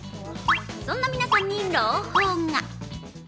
そんな皆さんに朗報が。